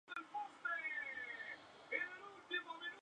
Esta fue una de sus obras con más repercusión.